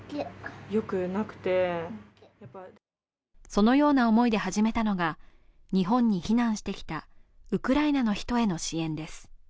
そのような思いで始めたのが、日本に避難してきたウクライナの人への支援です。